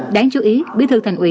đáng chú ý bí thư thành ủy